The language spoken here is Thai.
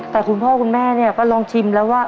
แต่คุณพ่อคุณแม่เนี่ยก็ลองชิมแล้วว่า